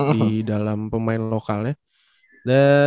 di dalam pemain lokalnya